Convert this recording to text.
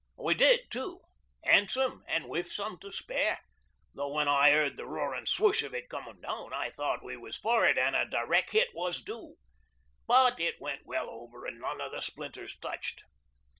We did it too handsome an' wi' some to spare, though when I heard the roarin' swoosh of it comin' down I thought we was for it an' a direck hit was due. But it went well over an' none of the splinters touched.